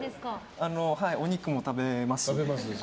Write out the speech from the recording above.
お肉も食べます。